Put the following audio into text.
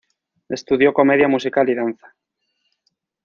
Estudió comedia musical y danza.